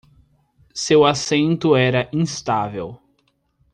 Seu assento era instável.